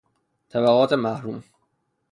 طبقات محروم